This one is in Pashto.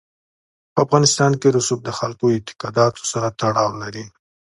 په افغانستان کې رسوب د خلکو اعتقاداتو سره تړاو لري.